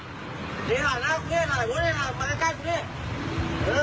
นี่ล่ะนะคุณเนี่ยนี่ล่ะมาใกล้คุณเนี่ย